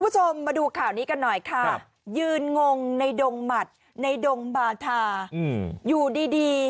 คุณผู้ชมมาดูข่าวนี้กันหน่อยค่ะยืนงงในดงหมัดในดงบาธาอยู่ดีดี